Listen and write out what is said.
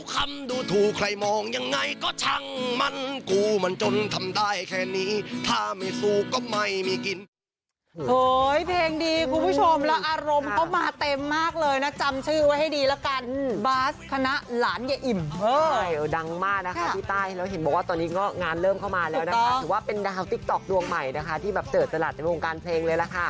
กูมันจนทำได้แค่นี้ถ้าไม่สู้ก็ไม่มีกลิ่น